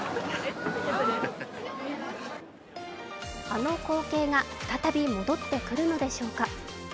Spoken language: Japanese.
あの光景が、再び戻ってくるのでしょうか。